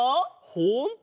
ほんとだ！